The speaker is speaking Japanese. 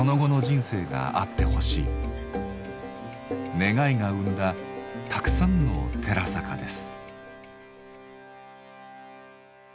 願いが生んだたくさんの寺坂です。